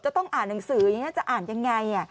ต้องอ่านหนังสืออย่างนี้จะอ่านยังไง